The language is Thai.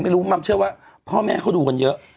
ไม่รู้มันเชื่อว่าพ่อแม่เขาดูคนเยอะ